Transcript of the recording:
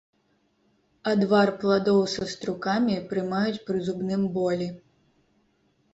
Адвар пладоў са струкамі прымаюць пры зубным болі.